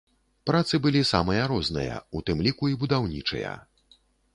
Працы былі самыя розныя, у тым ліку і будаўнічыя.